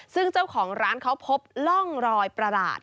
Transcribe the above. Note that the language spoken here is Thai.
ซึ่งเจ้าของร้านเขาพบร่องรอยประหลาด